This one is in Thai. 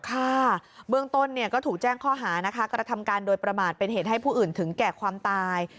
ค่ะเบื้องต้นเนี่ยก็ถูกแจ้งข้อหานะคะกระทำการโดยประมาทเป็นเหตุให้ผู้อื่นถึงแก่ความตาย